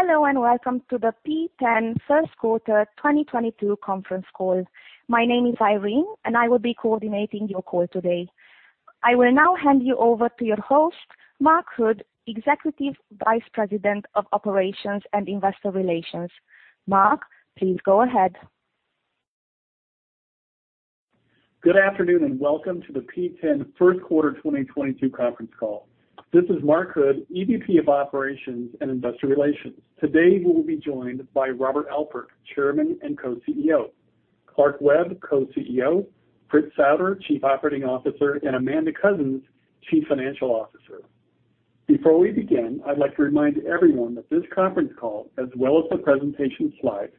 Hello, and welcome to the P10 Q1 2022 conference call. My name is Irene, and I will be coordinating your call today. I will now hand you over to your host, Mark Hood, Executive Vice President of Operations and Investor Relations. Mark, please go ahead. Good afternoon, and welcome to the P10 Q1 2022 conference call. This is Mark Hood, EVP of Operations and Investor Relations. Today, we will be joined by Robert Alpert, Chairman and Co-Chief Executive Officer, Clark Webb, Co-Chief Executive Officer, Fritz Studer, Chief Operating Officer, and Amanda Coussens, Chief Financial Officer. Before we begin, I'd like to remind everyone that this conference call, as well as the presentation slides,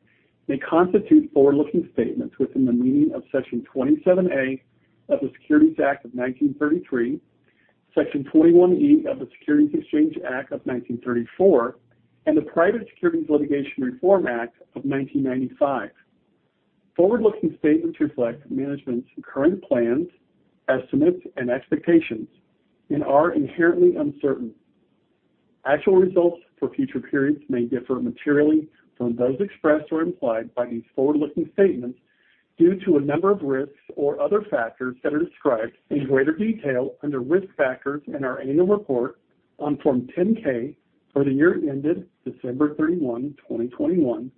may constitute forward-looking statements within the meaning of section 27A of the Securities Act of 1933, section 21E of the Securities Exchange Act of 1934, and the Private Securities Litigation Reform Act of 1995. Forward-looking statements reflect management's current plans, estimates, and expectations and are inherently uncertain. Actual results for future periods may differ materially from those expressed or implied by these forward-looking statements due to a number of risks or other factors that are described in greater detail under Risk Factors in our annual report on Form 10-K for the year ended December 31, 2021,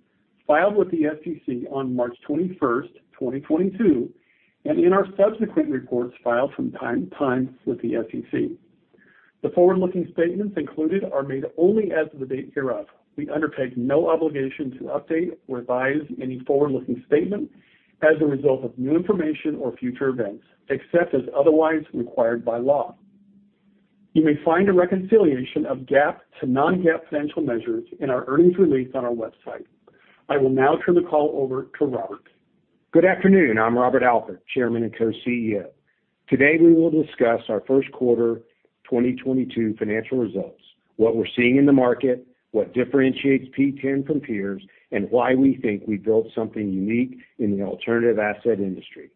filed with the SEC on March 21, 2022, and in our subsequent reports filed from time to time with the SEC. The forward-looking statements included are made only as of the date hereof. We undertake no obligation to update or revise any forward-looking statement as a result of new information or future events, except as otherwise required by law. You may find a reconciliation of GAAP to non-GAAP financial measures in our earnings release on our website. I will now turn the call over to Robert. Good afternoon. I'm Robert Alpert, Chairman and Co-Chief Executive Officer. Today, we will discuss our Q1 2022 financial results, what we're seeing in the market, what differentiates P10 from peers, and why we think we built something unique in the alternative asset industry.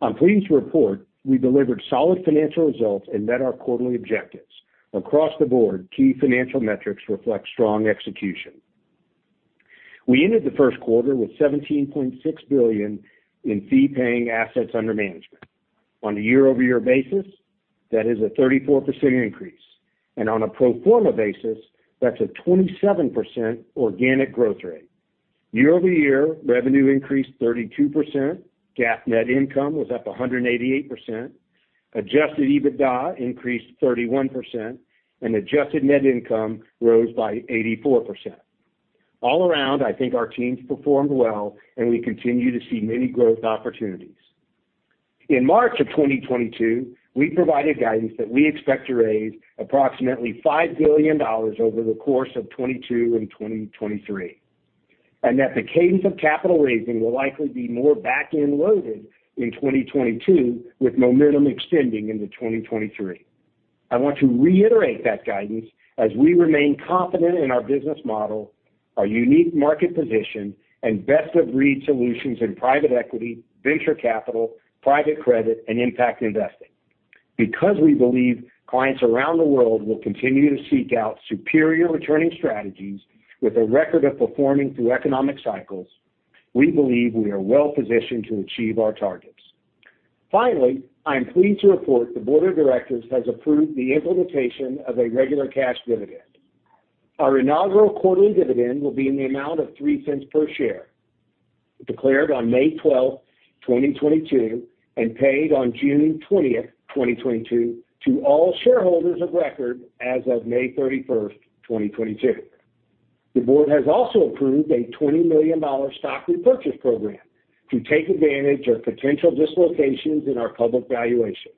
I'm pleased to report we delivered solid financial results and met our quarterly objectives. Across the board, key financial metrics reflect strong execution. We ended the Q1 with $17.6 billion in fee-paying assets under management. On a year-over-year basis, that is a 34% increase, and on a pro forma basis, that's a 27% organic growth rate. Year-over-year, revenue increased 32%, GAAP net income was up 188%, adjusted EBITDA increased 31%, and adjusted net income rose by 84%. All around, I think our teams performed well, and we continue to see many growth opportunities. In March of 2022, we provided guidance that we expect to raise approximately $5 billion over the course of 2022 and 2023, and that the cadence of capital raising will likely be more back-end loaded in 2022, with momentum extending into 2023. I want to reiterate that guidance as we remain confident in our business model, our unique market position, and best-of-breed solutions in private equity, venture capital, private credit, and impact investing. Because we believe clients around the world will continue to seek out superior returning strategies with a record of performing through economic cycles, we believe we are well-positioned to achieve our targets. Finally, I am pleased to report the board of directors has approved the implementation of a regular cash dividend. Our inaugural quarterly dividend will be in the amount of $0.03 per share, declared on May 12, 2022, and paid on June 20, 2022 to all shareholders of record as of May 31, 2022. The board has also approved a $20 million stock repurchase program to take advantage of potential dislocations in our public valuation.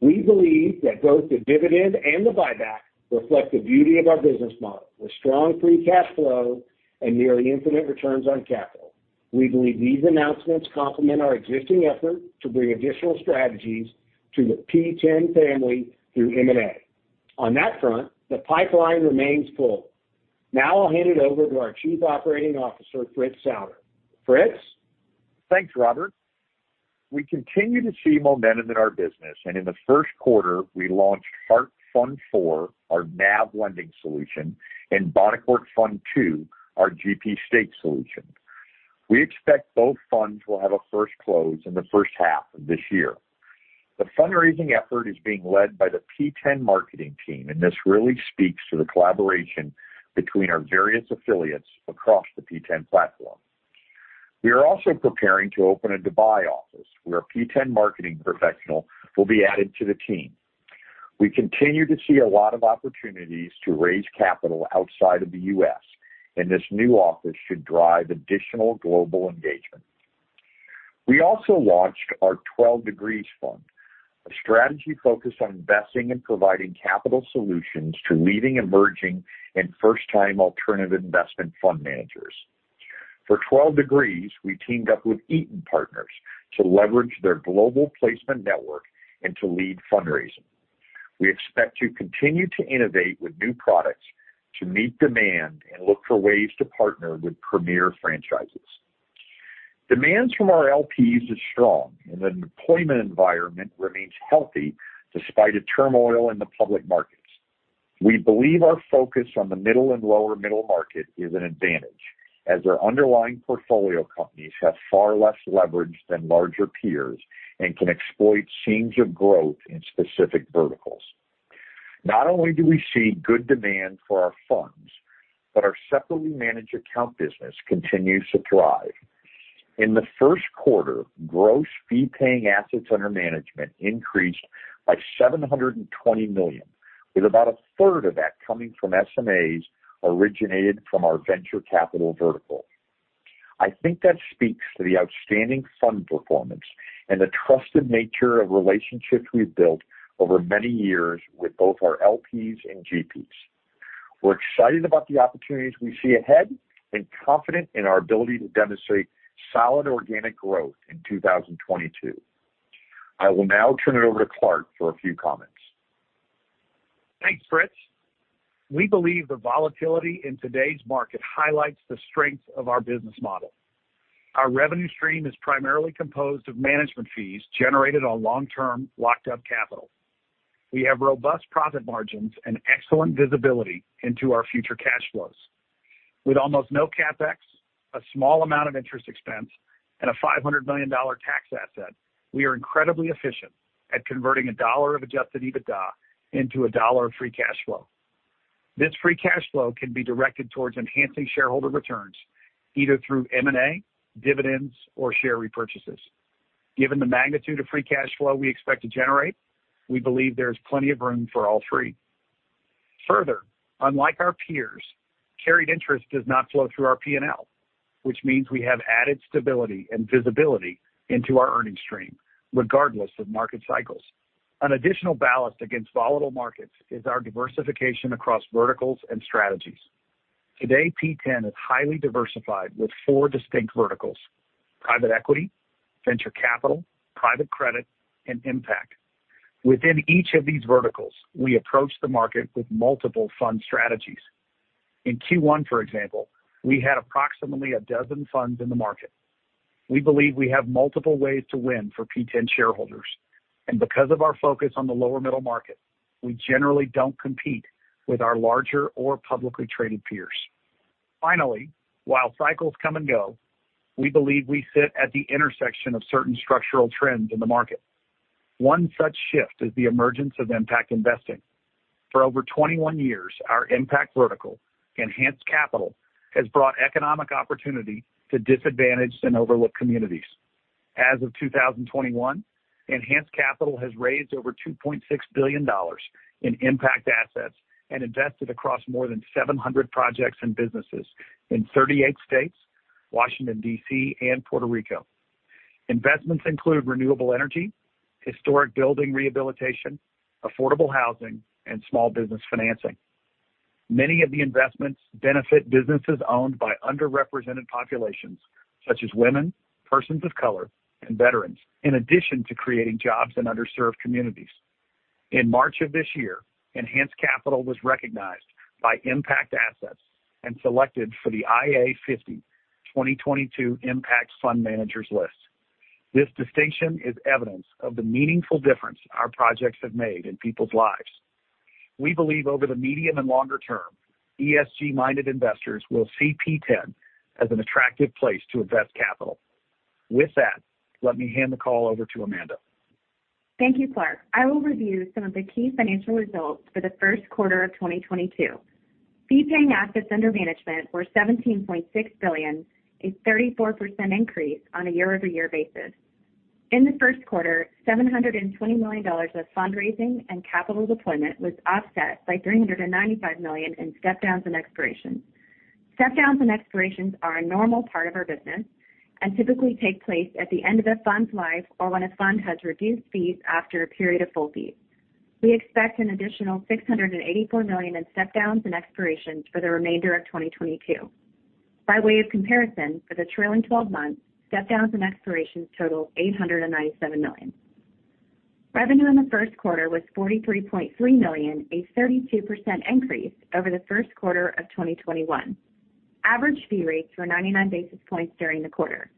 We believe that both the dividend and the buyback reflect the beauty of our business model, with strong free cash flow and nearly infinite returns on capital. We believe these announcements complement our existing effort to bring additional strategies to the P10 family through M&A. On that front, the pipeline remains full. Now I'll hand it over to our Chief Operating Officer, Fritz Studer. Fritz? Thanks, Robert. We continue to see momentum in our business, and in the Q1, we launched Hark Fund IV, our NAV lending solution, and Bonaccord Fund II, our GP stake solution. We expect both funds will have a first close in the first half of this year. The fundraising effort is being led by the P10 marketing team, and this really speaks to the collaboration between our various affiliates across the P10 platform. We are also preparing to open a Dubai office, where a P10 marketing professional will be added to the team. We continue to see a lot of opportunities to raise capital outside of the U.S., and this new office should drive additional global engagement. We also launched our Twelve Degrees Fund, a strategy focused on investing and providing capital solutions to leading, emerging, and first-time alternative investment fund managers. For Twelve Degrees, we teamed up with Eaton Partners to leverage their global placement network and to lead fundraising. We expect to continue to innovate with new products to meet demand and look for ways to partner with premier franchises. Demands from our LPs is strong, and the deployment environment remains healthy despite a turmoil in the public markets. We believe our focus on the middle and lower middle market is an advantage, as our underlying portfolio companies have far less leverage than larger peers and can exploit seams of growth in specific verticals. Not only do we see good demand for our funds, but our separately managed account business continues to thrive. In the Q1, gross fee-paying assets under management increased by $720 million, with about a third of that coming from SMAs originated from our venture capital vertical. I think that speaks to the outstanding fund performance and the trusted nature of relationships we've built over many years with both our LPs and GPs. We're excited about the opportunities we see ahead and confident in our ability to demonstrate solid organic growth in 2022. I will now turn it over to Clark for a few comments. Thanks, Fritz. We believe the volatility in today's market highlights the strength of our business model. Our revenue stream is primarily composed of management fees generated on long-term locked-up capital. We have robust profit margins and excellent visibility into our future cash flows. With almost no CapEx, a small amount of interest expense, and a $500 million tax asset, we are incredibly efficient at converting a dollar of Adjusted EBITDA into a dollar of free cash flow. This free cash flow can be directed towards enhancing shareholder returns, either through M&A, dividends, or share repurchases. Given the magnitude of free cash flow we expect to generate, we believe there is plenty of room for all three. Further, unlike our peers, carried interest does not flow through our P&L, which means we have added stability and visibility into our earnings stream regardless of market cycles. An additional ballast against volatile markets is our diversification across verticals and strategies. Today, P10 is highly diversified with four distinct verticals, private equity, venture capital, private credit, and impact. Within each of these verticals, we approach the market with multiple fund strategies. In Q1, for example, we had approximately a dozen funds in the market. We believe we have multiple ways to win for P10 shareholders, and because of our focus on the lower middle market, we generally don't compete with our larger or publicly traded peers. Finally, while cycles come and go, we believe we sit at the intersection of certain structural trends in the market. One such shift is the emergence of impact investing. For over 21 years, our impact vertical, Enhanced Capital, has brought economic opportunity to disadvantaged and overlooked communities. As of 2021, Enhanced Capital has raised over $2.6 billion in impact assets and invested across more than 700 projects and businesses in 38 states, Washington, D.C., and Puerto Rico. Investments include renewable energy, historic building rehabilitation, affordable housing, and small business financing. Many of the investments benefit businesses owned by underrepresented populations such as women, persons of color, and veterans, in addition to creating jobs in underserved communities. In March of this year, Enhanced Capital was recognized by ImpactAssets and selected for the ImpactAssets 50 2022 Impact Fund Managers list. This distinction is evidence of the meaningful difference our projects have made in people's lives. We believe over the medium and longer term, ESG-minded investors will see P10 as an attractive place to invest capital. With that, let me hand the call over to Amanda. Thank you, Clark. I will review some of the key financial results for the Q1 of 2022. Fee-paying assets under management were $17.6 billion, a 34% increase on a year-over-year basis. In the Q1, $720 million of fundraising and capital deployment was offset by $395 million in step downs and expirations. Step downs and expirations are a normal part of our business and typically take place at the end of a fund's life or when a fund has reduced fees after a period of full fees. We expect an additional $684 million in step downs and expirations for the remainder of 2022. By way of comparison, for the trailing twelve months, step downs and expirations total $897 million. Revenue in the Q1 was $43.3 million, a 32% increase over the Q1 of 2021. Average fee rates were 99 basis points during the quarter.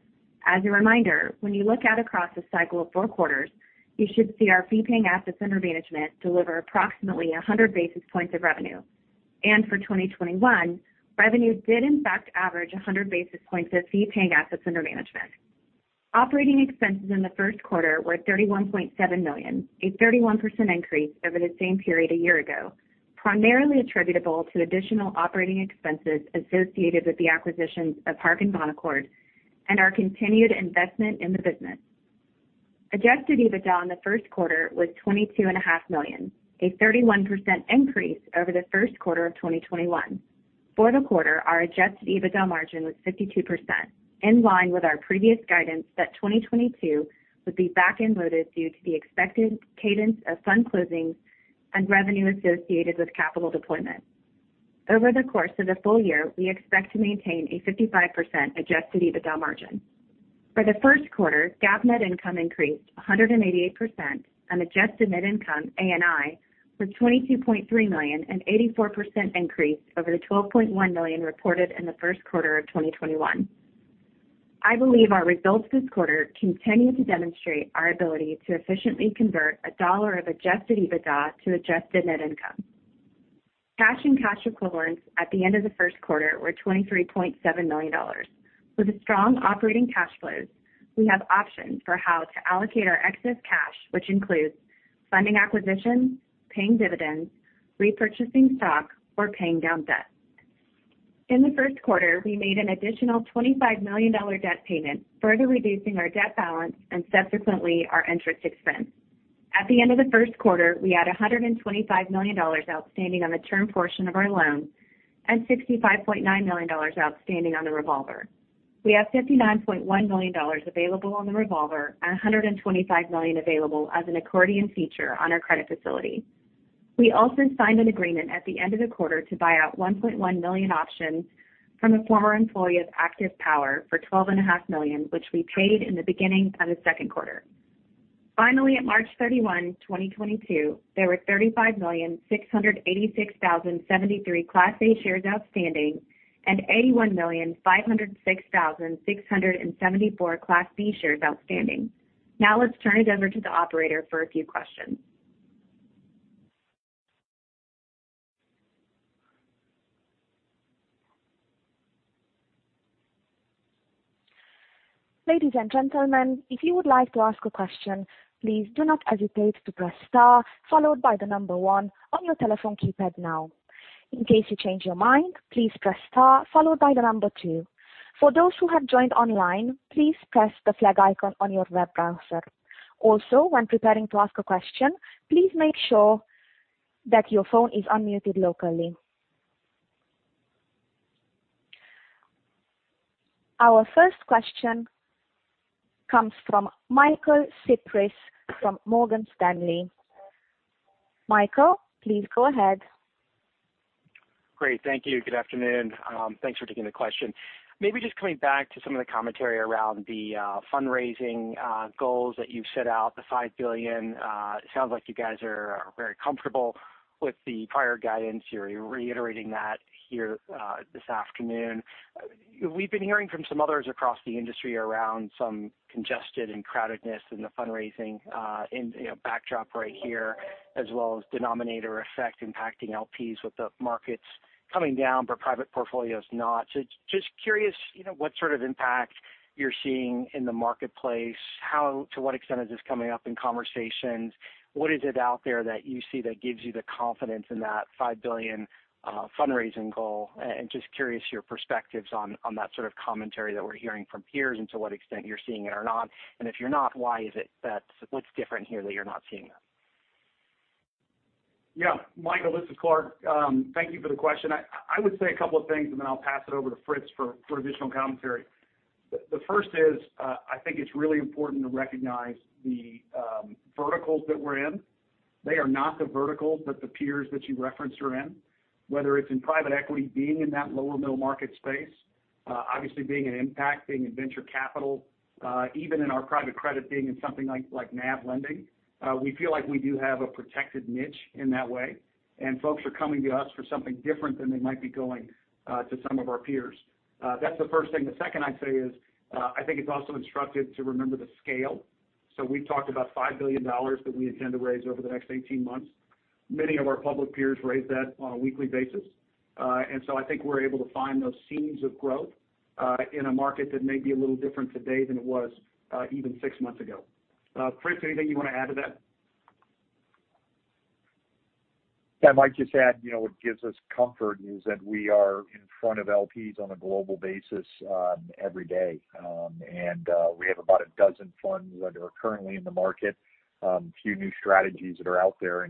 As a reminder, when you look out across a cycle of four quarters, you should see our fee-paying assets under management deliver approximately 100 basis points of revenue. For 2021, revenue did in fact average 100 basis points of fee-paying assets under management. Operating expenses in the Q1 were $31.7 million, a 31% increase over the same period a year ago, primarily attributable to additional operating expenses associated with the acquisitions of Hark and Bonaccord and our continued investment in the business. Adjusted EBITDA in the Q1 was $22.5 million, a 31% increase over the Q1 of 2021. For the quarter, our adjusted EBITDA margin was 52%, in line with our previous guidance that 2022 would be back-end loaded due to the expected cadence of fund closings and revenue associated with capital deployment. Over the course of the full year, we expect to maintain a 55% adjusted EBITDA margin. For the Q1, GAAP net income increased 188%, and adjusted net income, ANI, was $22.3 million, an 84% increase over the $12.1 million reported in the Q1 of 2021. I believe our results this quarter continue to demonstrate our ability to efficiently convert a dollar of adjusted EBITDA to adjusted net income. Cash and cash equivalents at the end of the Q1 were $23.7 million. With a strong operating cash flows, we have options for how to allocate our excess cash, which includes funding acquisitions, paying dividends, repurchasing stock, or paying down debt. In the Q1, we made an additional $25 million debt payment, further reducing our debt balance and subsequently our interest expense. At the end of the Q1, we had $125 million outstanding on the term portion of our loan and $65.9 million outstanding on the revolver. We have $59.1 million available on the revolver and $125 million available as an accordion feature on our credit facility. We also signed an agreement at the end of the quarter to buy out 1.1 million options from a former employee of Active Power for $12.5 million, which we paid in the beginning of the Q2. Finally, at March 31, 2022, there were 35,686,073 Class A shares outstanding and 81,506,674 Class B shares outstanding. Now let's turn it over to the operator for a few questions. Ladies and gentlemen, if you would like to ask a question, please do not hesitate to press star followed by the number 1 on your telephone keypad now. In case you change your mind, please press star followed by the number two. For those who have joined online, please press the flag icon on your web browser. Also, when preparing to ask a question, please make sure that your phone is unmuted locally. Our first question comes from Michael Cyprys from Morgan Stanley. Michael, please go ahead. Great. Thank you. Good afternoon. Thanks for taking the question. Maybe just coming back to some of the commentary around the fundraising goals that you've set out, the $5 billion. It sounds like you guys are very comfortable with the prior guidance. You're reiterating that here this afternoon. We've been hearing from some others across the industry around some congested and crowdedness in the fundraising in you know backdrop right here, as well as denominator effect impacting LPs with the markets coming down, but private portfolio's not. Just curious, you know, what sort of impact you're seeing in the marketplace. To what extent is this coming up in conversations? What is it out there that you see that gives you the confidence in that $5 billion fundraising goal? Just curious your perspectives on that sort of commentary that we're hearing from peers and to what extent you're seeing it or not. If you're not, why is it that? What's different here that you're not seeing that? Yeah. Michael Cyprys, this is Clark Webb. Thank you for the question. I would say a couple of things, and then I'll pass it over to Fritz Studer for additional commentary. The first is, I think it's really important to recognize the verticals that we're in. They are not the verticals that the peers that you referenced are in. Whether it's in private equity, being in that lower middle market space, obviously being an impact, being in venture capital, even in our private credit being in something like NAV lending, we feel like we do have a protected niche in that way, and folks are coming to us for something different than they might be going to some of our peers. That's the first thing. The second I'd say is, I think it's also instructive to remember the scale. We've talked about $5 billion that we intend to raise over the next 18 months. Many of our public peers raise that on a weekly basis. I think we're able to find those seeds of growth, in a market that may be a little different today than it was, even 6 months ago. Fritz, anything you wanna add to that? Yeah. Mike just said, you know, what gives us comfort is that we are in front of LPs on a global basis, every day. We have about 12 funds that are currently in the market, a few new strategies that are out there.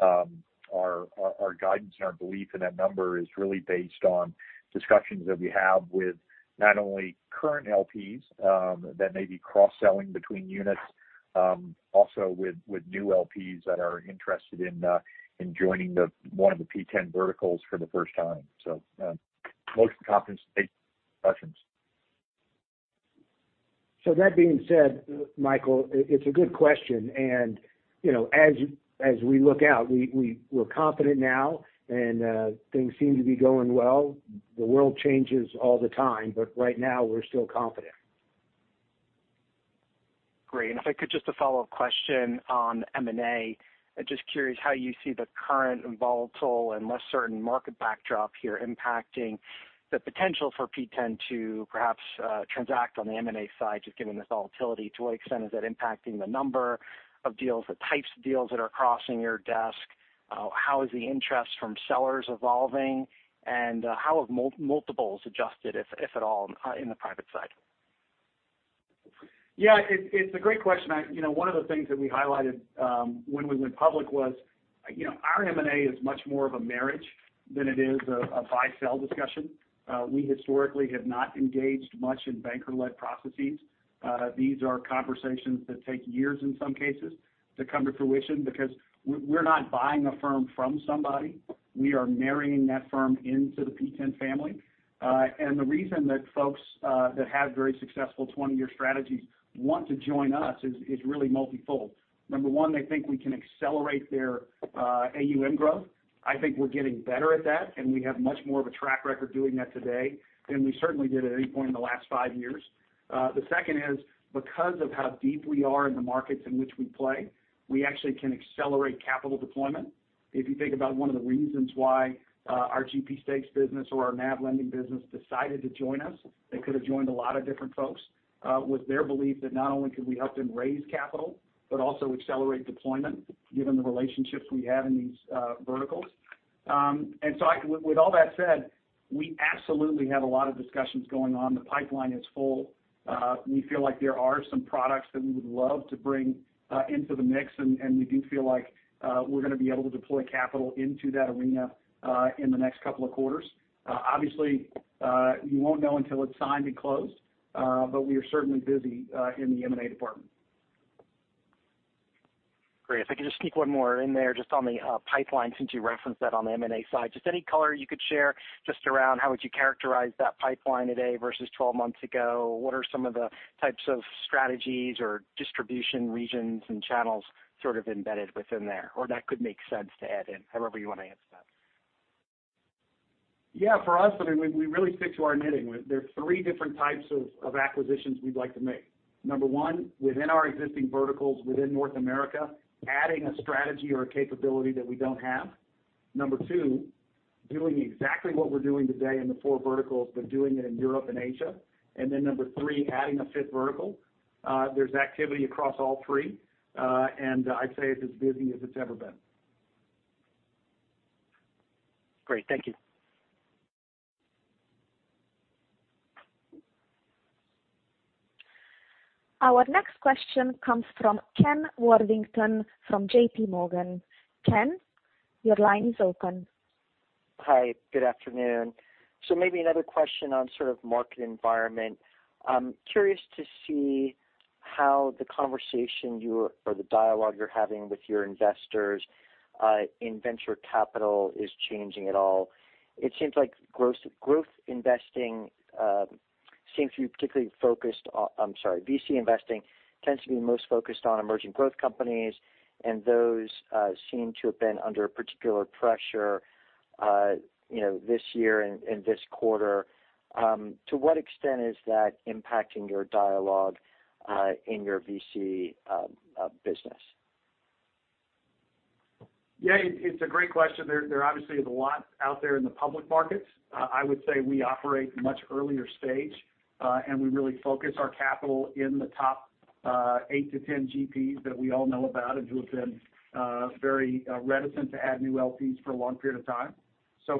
Our guidance and our belief in that number is really based on discussions that we have with not only current LPs, that may be cross-selling between units, also with new LPs that are interested in joining one of the P10 verticals for the first time. Most confidence based discussions. That being said, Michael, it's a good question. You know, as we look out, we're confident now and things seem to be going well. The world changes all the time, but right now we're still confident. Great. If I could just ask a follow-up question on M&A. Just curious how you see the current and volatile and less certain market backdrop here impacting the potential for P10 to perhaps transact on the M&A side, just given the volatility. To what extent is that impacting the number of deals, the types of deals that are crossing your desk? How is the interest from sellers evolving, and how have multiples adjusted, if at all, in the private side? It's a great question. You know, one of the things that we highlighted when we went public was, you know, our M&A is much more of a marriage than it is a buy-sell discussion. We historically have not engaged much in banker-led processes. These are conversations that take years, in some cases, to come to fruition because we're not buying a firm from somebody, we are marrying that firm into the P10 family. The reason that folks that have very successful 20-year strategies want to join us is really multi-fold. Number one, they think we can accelerate their AUM growth. I think we're getting better at that, and we have much more of a track record doing that today than we certainly did at any point in the last five years. The second is, because of how deep we are in the markets in which we play, we actually can accelerate capital deployment. If you think about one of the reasons why our GP stakes business or our NAV lending business decided to join us, they could have joined a lot of different folks, was their belief that not only could we help them raise capital, but also accelerate deployment given the relationships we have in these verticals. With all that said, we absolutely have a lot of discussions going on. The pipeline is full. We feel like there are some products that we would love to bring into the mix, and we do feel like we're gonna be able to deploy capital into that arena in the next couple of quarters. Obviously, you won't know until it's signed and closed, but we are certainly busy in the M&A department. Great. If I could just sneak one more in there just on the pipeline since you referenced that on the M&A side. Just any color you could share just around how would you characterize that pipeline today versus 12 months ago? What are some of the types of strategies or distribution regions and channels sort of embedded within there, or that could make sense to add in? However you wanna answer that. Yeah. For us, I mean, we really stick to our knitting. There's three different types of acquisitions we'd like to make. Number one, within our existing verticals within North America, adding a strategy or a capability that we don't have. Number two, doing exactly what we're doing today in the four verticals, but doing it in Europe and Asia. Number three, adding a fifth vertical. There's activity across all three, and I'd say it's as busy as it's ever been. Great. Thank you. Our next question comes from Kenneth Worthington from JPMorgan. Ken, your line is open. Hi. Good afternoon. Maybe another question on sort of market environment. I'm curious to see how the conversation you or the dialogue you're having with your investors in venture capital is changing at all. It seems like VC investing tends to be most focused on emerging growth companies, and those seem to have been under particular pressure, you know, this year and this quarter. To what extent is that impacting your dialogue in your VC business? It's a great question. There obviously is a lot out there in the public markets. I would say we operate much earlier stage, and we really focus our capital in the top eight-10 GPs that we all know about and who have been very reticent to add new LPs for a long period of time.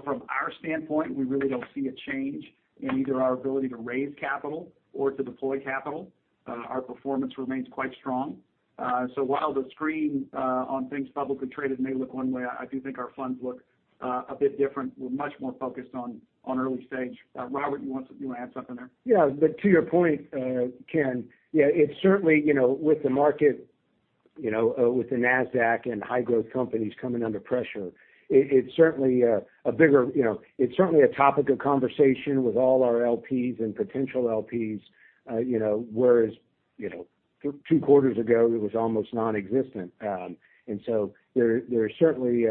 From our standpoint, we really don't see a change in either our ability to raise capital or to deploy capital. Our performance remains quite strong. While the screen on things publicly traded may look one way, I do think our funds look a bit different. We're much more focused on early stage. Robert, you wanna add something there? Yeah. To your point, Ken, yeah, it's certainly, you know, with the market, you know, with the Nasdaq and high growth companies coming under pressure, it's certainly a bigger, you know, it's certainly a topic of conversation with all our LPs and potential LPs, you know, whereas, you know, two quarters ago, it was almost nonexistent. There are certainly,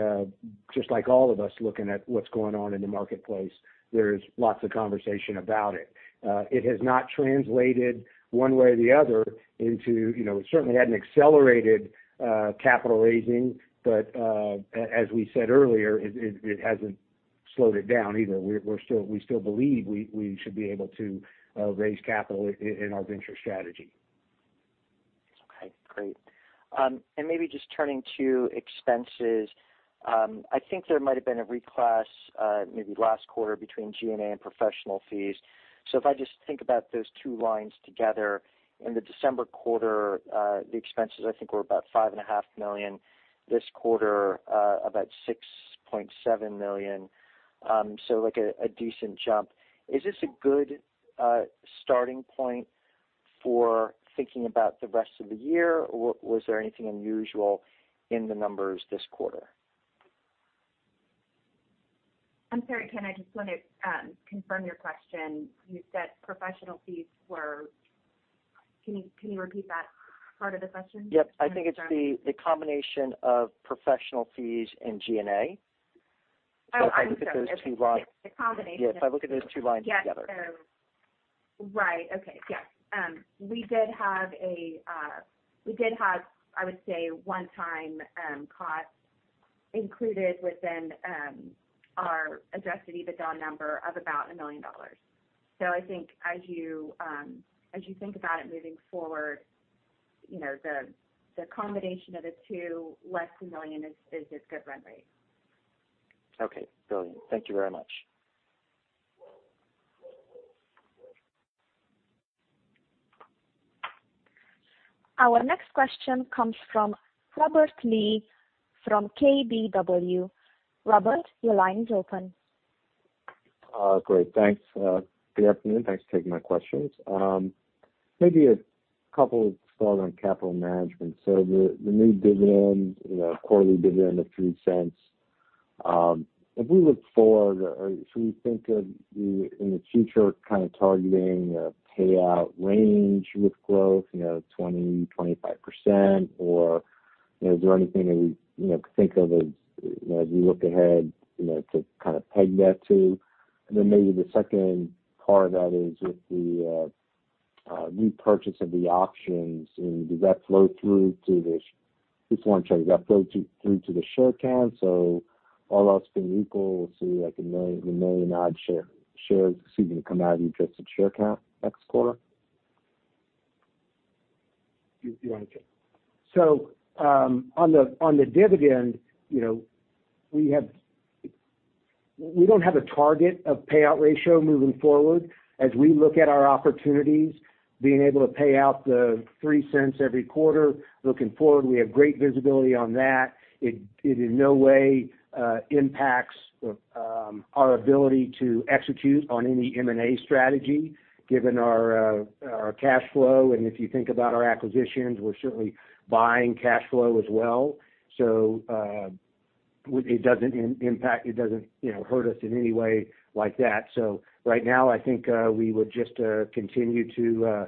just like all of us looking at what's going on in the marketplace, there's lots of conversation about it. It has not translated one way or the other into, you know, it certainly hadn't accelerated capital raising. As we said earlier, it hasn't slowed it down either. We still believe we should be able to raise capital in our venture strategy. Okay. Great. Maybe just turning to expenses, I think there might have been a reclass, maybe last quarter between G&A and professional fees. If I just think about those two lines together, in the December quarter, the expenses I think were about $5.5 million. This quarter, about $6.7 million, so like a decent jump. Is this a good starting point for thinking about the rest of the year, or was there anything unusual in the numbers this quarter? I'm sorry, Ken. I just wanna confirm your question. You said professional fees were? Can you repeat that part of the question? Yep. I think it's the combination of professional fees and G&A. Oh, I'm sorry. If I look at those two lines. It's a combination of- Yeah, if I look at those two lines together. We did have, I would say, one-time cost included within our Adjusted EBITDA number of about $1 million. I think as you think about it moving forward, you know, the combination of the two, less $1 million is a good run rate. Okay. Brilliant. Thank you very much. Our next question comes from Robert Lee from KBW. Robert, your line is open. Great. Thanks. Good afternoon. Thanks for taking my questions. Maybe a couple to start on capital management. So the new dividend, you know, quarterly dividend of $0.03, if we look forward or should we think of the, in the future kind of targeting a payout range with growth, you know, 20%-25%? Or, you know, is there anything that we, you know, think of as, you know, as we look ahead, you know, to kind of peg that to? And then maybe the second part of that is with the, Repurchase of the options and does that flow through to this? Just want to check, does that flow through to the share count? All else being equal, we'll see like 1 million odd shares seem to come out of adjusted share count next quarter. You want to take it. On the dividend, you know, we don't have a target payout ratio moving forward. As we look at our opportunities, being able to pay out $0.03 every quarter looking forward, we have great visibility on that. It in no way impacts our ability to execute on any M&A strategy given our cash flow. If you think about our acquisitions, we're certainly buying cash flow as well. It doesn't impact, you know, hurt us in any way like that. Right now, I think, we would just continue to.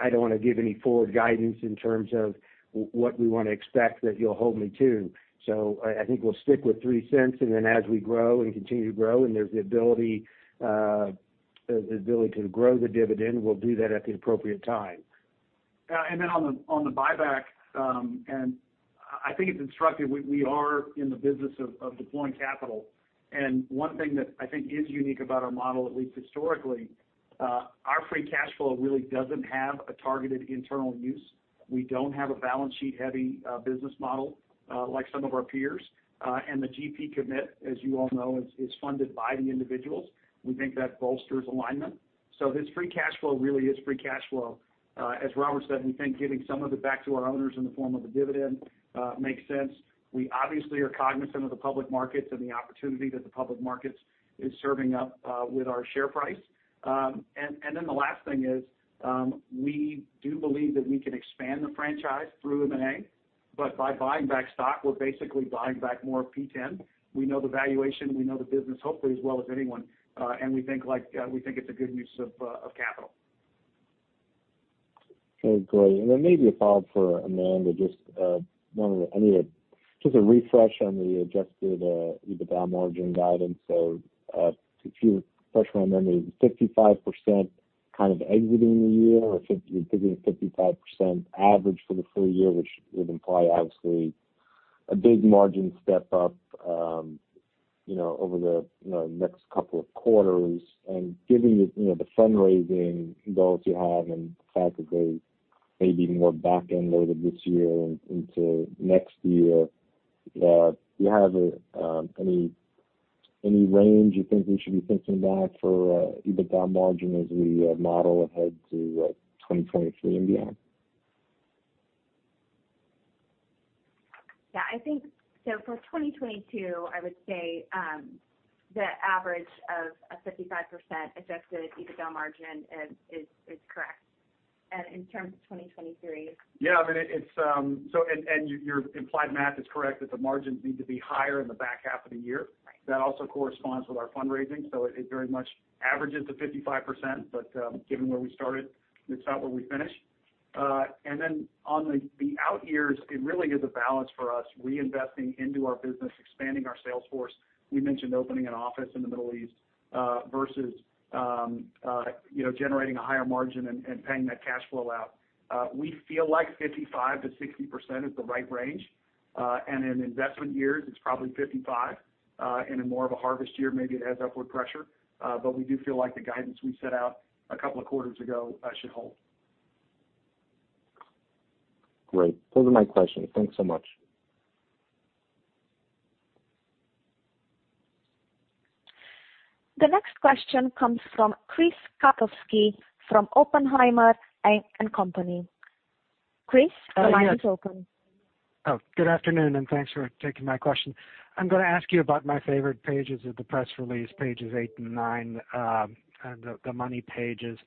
I don't want to give any forward guidance in terms of what we want to expect that you'll hold me to. I think we'll stick with $0.03, and then as we grow and continue to grow, and there's the ability to grow the dividend, we'll do that at the appropriate time. On the buyback, I think it's instructive, we are in the business of deploying capital. One thing that I think is unique about our model, at least historically, our free cash flow really doesn't have a targeted internal use. We don't have a balance sheet heavy business model like some of our peers. The GP commit, as you all know, is funded by the individuals. We think that bolsters alignment. This free cash flow really is free cash flow. As Robert said, we think giving some of it back to our owners in the form of a dividend makes sense. We obviously are cognizant of the public markets and the opportunity that the public markets is serving up with our share price. The last thing is, we do believe that we can expand the franchise through M&A. By buying back stock, we're basically buying back more of P10. We know the valuation. We know the business, hopefully as well as anyone. We think like it's a good use of capital. Okay, great. Then maybe a follow-up for Amanda, just, I need just a refresh on the adjusted EBITDA margin guidance. If you could refresh my memory, the 55% kind of exiting the year or you're thinking a 55% average for the full year, which would imply obviously a big margin step up, you know, over the next couple of quarters. Given the fundraising goals you have and the fact that they may be more back-end loaded this year and into next year, do you have any range you think we should be thinking about for EBITDA margin as we model ahead to 2023 and beyond? Yeah, I think so for 2022, I would say, the average of a 55% Adjusted EBITDA margin is correct. In terms of 2023- Yeah, I mean, it's so, and your implied math is correct that the margins need to be higher in the back half of the year. Right. That also corresponds with our fundraising. It very much averages to 55%. Given where we started, it's not where we finish. On the out years, it really is a balance for us reinvesting into our business, expanding our sales force. We mentioned opening an office in the Middle East versus you know generating a higher margin and paying that cash flow out. We feel like 55%-60% is the right range. In investment years, it's probably 55%. In more of a harvest year, maybe it has upward pressure. We do feel like the guidance we set out a couple of quarters ago should hold. Great. Those are my questions. Thanks so much. The next question comes from Chris Kotowski from Oppenheimer & Company. Chris, the line is open. Oh, good afternoon, and thanks for taking my question. I'm gonna ask you about my favorite pages of the press release, pages 8 and 9, the money pages.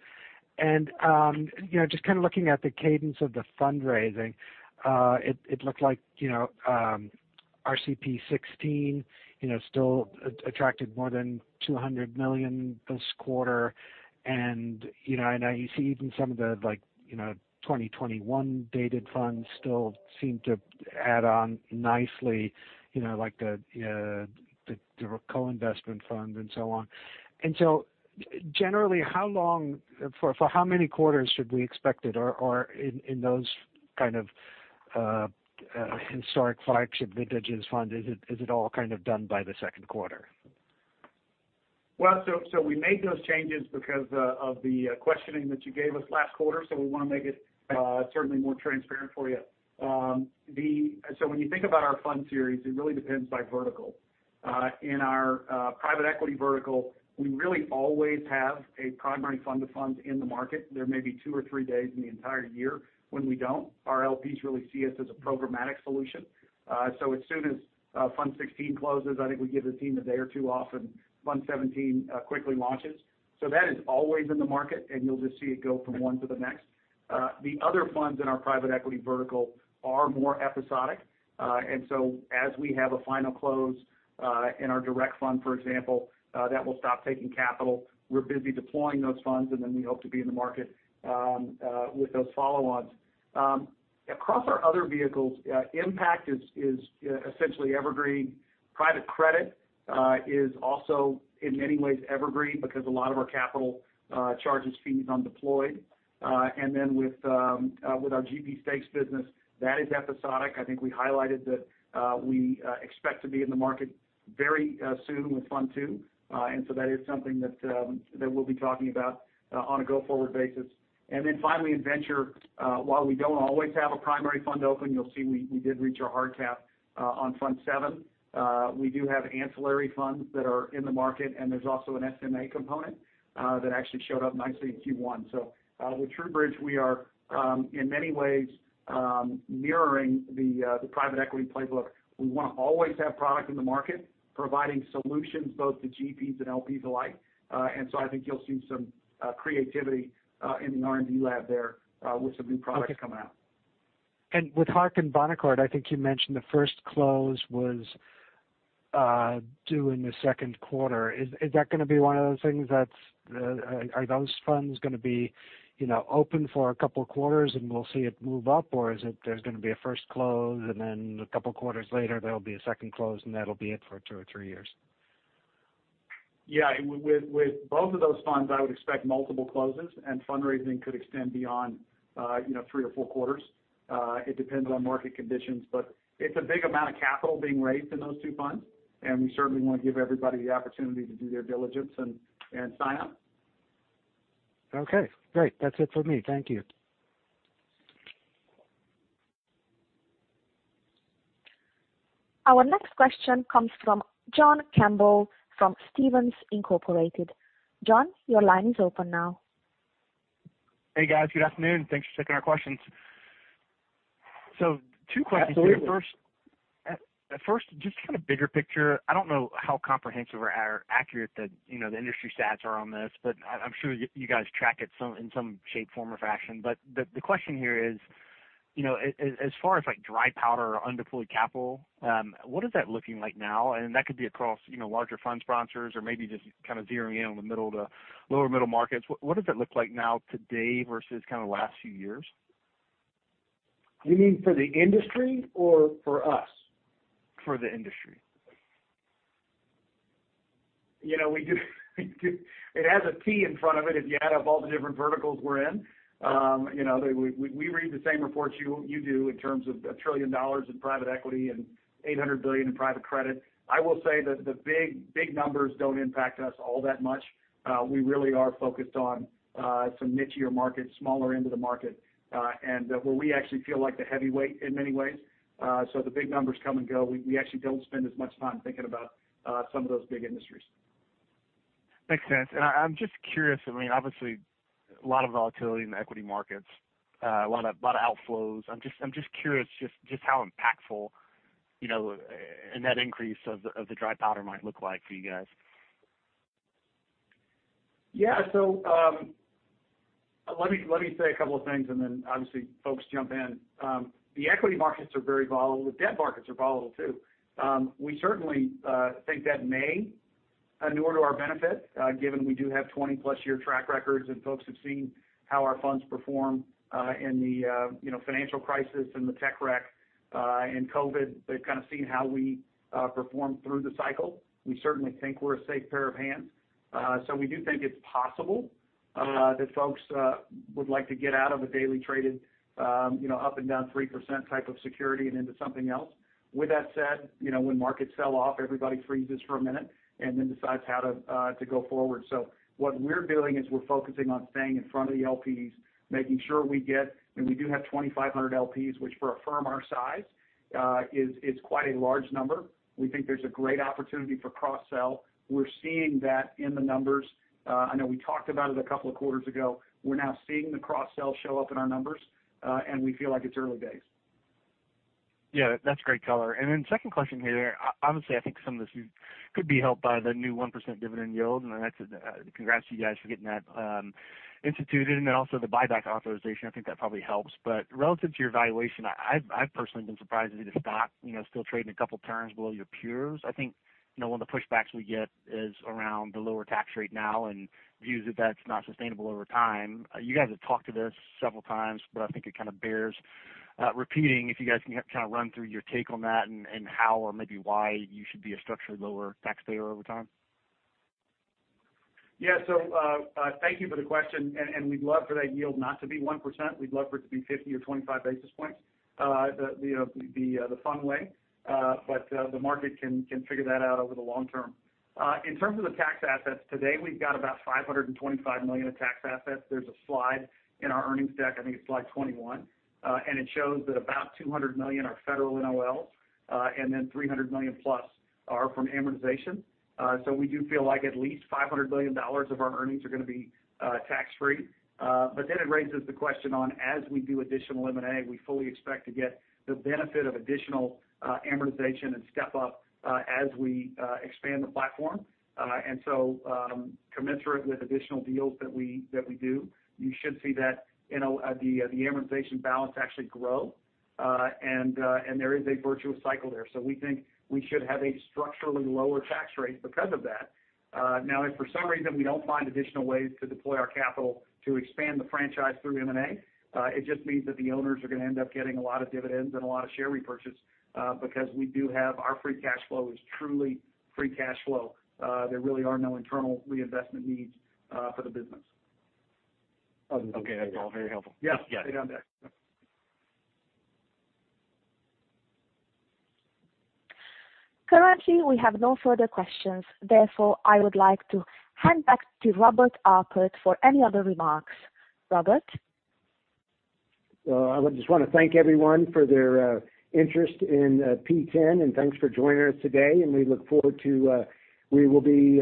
You know, just kind of looking at the cadence of the fundraising, it looked like, you know, RCP 16, you know, still attracted more than $200 million this quarter. You know, I see even some of the like, you know, 2021 dated funds still seem to add on nicely, you know, like the co-investment fund and so on. Generally, how long for how many quarters should we expect it or in those kind of historic five-year vintage funds? Is it all kind of done by the Q2? We made those changes because of the questioning that you gave us last quarter. We wanna make it certainly more transparent for you. When you think about our fund series, it really depends by vertical. In our private equity vertical, we really always have a primary fund-of-funds in the market. There may be two or three days in the entire year when we don't. Our LPs really see us as a programmatic solution. As soon as fund 16 closes, I think we give the team a day or two off and fund 17 quickly launches. That is always in the market, and you'll just see it go from one to the next. The other funds in our private equity vertical are more episodic. As we have a final close in our direct fund, for example, that will stop taking capital. We're busy deploying those funds, and then we hope to be in the market with those follow-ons. Across our other vehicles, impact is essentially evergreen. Private credit is also, in many ways, evergreen because a lot of our capital charges fees undeployed. With our GP stakes business, that is episodic. I think we highlighted that we expect to be in the market very soon with fund two. That is something that we'll be talking about on a go-forward basis. Finally in venture, while we don't always have a primary fund open, you'll see we did reach our hard cap on fund 7. We do have ancillary funds that are in the market, and there's also an SMA component that actually showed up nicely in Q1. With TruBridge, we are in many ways mirroring the private equity playbook. We wanna always have product in the market, providing solutions both to GPs and LPs alike. I think you'll see some creativity in the R&D lab there with some new products coming out. Okay. With Hark and Bonaccord, I think you mentioned the first close was due in the Q2. Is that gonna be one of those things? Are those funds gonna be, you know, open for a couple of quarters and we'll see it move up? Or is it there's gonna be a first close and then a couple quarters later there'll be a second close and that'll be it for two or three years? Yeah. With both of those funds, I would expect multiple closes, and fundraising could extend beyond, you know, three or four quarters. It depends on market conditions, but it's a big amount of capital being raised in those two funds, and we certainly wanna give everybody the opportunity to do their diligence and sign up. Okay, great. That's it for me. Thank you. Our next question comes from John Campbell from Stephens Inc. John, your line is open now. Hey, guys. Good afternoon. Thanks for taking our questions. Two questions. Absolutely. First, just kind of bigger picture. I don't know how comprehensive or accurate the, you know, the industry stats are on this, but I'm sure you guys track it some, in some shape, form, or fashion. But the question here is, you know, as far as like dry powder or undeployed capital, what is that looking like now? That could be across, you know, larger fund sponsors or maybe just kind of zeroing in on the middle to lower middle markets. What does it look like now today versus kind of last few years? You mean for the industry or for us? For the industry. You know, we do. It has a T in front of it if you add up all the different verticals we're in. You know, we read the same reports you do in terms of $1 trillion in private equity and $800 billion in private credit. I will say that the big numbers don't impact us all that much. We really are focused on some nichier markets, smaller end of the market, and where we actually feel like the heavyweight in many ways. So the big numbers come and go. We actually don't spend as much time thinking about some of those big industries. Makes sense. I'm just curious, I mean, obviously, a lot of volatility in the equity markets, a lot of outflows. I'm just curious how impactful, you know, a net increase of the dry powder might look like for you guys. Yeah, let me say a couple of things, and then obviously folks jump in. The equity markets are very volatile. The debt markets are volatile too. We certainly think that may inure to our benefit, given we do have 20+ year track records, and folks have seen how our funds perform in the, you know, financial crisis and the tech wreck, and COVID. They've kinda seen how we perform through the cycle. We certainly think we're a safe pair of hands. We do think it's possible that folks would like to get out of a daily traded, you know, up and down 3% type of security and into something else. With that said, you know, when markets sell off, everybody freezes for a minute and then decides how to go forward. What we're doing is we're focusing on staying in front of the LPs, making sure we get. We do have 2,500 LPs, which for a firm our size is quite a large number. We think there's a great opportunity for cross-sell. We're seeing that in the numbers. I know we talked about it a couple of quarters ago. We're now seeing the cross-sell show up in our numbers, and we feel like it's early days. Yeah, that's great color. Second question here. Honestly, I think some of this could be helped by the new 1% dividend yield, and that's congrats to you guys for getting that instituted, and then also the buyback authorization. I think that probably helps. Relative to your valuation, I've personally been surprised to see the stock, you know, still trading a couple turns below your peers. I think, you know, one of the pushbacks we get is around the lower tax rate now and views that that's not sustainable over time. You guys have talked to this several times, but I think it kinda bears repeating if you guys can kind of run through your take on that and how or maybe why you should be a structurally lower taxpayer over time. Thank you for the question, and we'd love for that yield not to be 1%. We'd love for it to be 50 or 25 basis points, the fun way. The market can figure that out over the long term. In terms of the tax assets, today we've got about $525 million of tax assets. There's a slide in our earnings deck, I think it's slide 21, and it shows that about $200 million are federal NOLs, and then $300 million plus are from amortization. We do feel like at least $500 million of our earnings are gonna be tax-free. It raises the question on, as we do additional M&A, we fully expect to get the benefit of additional amortization and step up as we expand the platform. Commensurate with additional deals that we do, you should see that, you know, the amortization balance actually grow. There is a virtuous cycle there. We think we should have a structurally lower tax rate because of that. Now if for some reason we don't find additional ways to deploy our capital to expand the franchise through M&A, it just means that the owners are gonna end up getting a lot of dividends and a lot of share repurchase because we do have our free cash flow is truly free cash flow. There really are no internal reinvestment needs for the business. Okay. That's all very helpful. Yeah. Yeah. Right on there. Yeah. Currently, we have no further questions. Therefore, I would like to hand back to Robert Alpert for any other remarks. Robert? Well, I just wanna thank everyone for their interest in P10, and thanks for joining us today, and we look forward to. We will be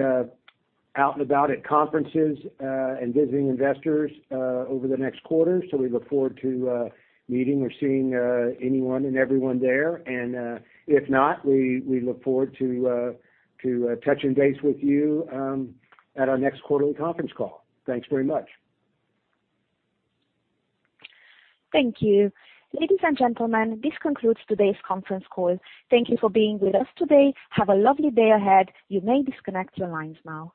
out and about at conferences and visiting investors over the next quarter. We look forward to meeting or seeing anyone and everyone there. If not, we look forward to touching base with you at our next quarterly conference call. Thanks very much. Thank you. Ladies and gentlemen, this concludes today's conference call. Thank you for being with us today. Have a lovely day ahead. You may disconnect your lines now.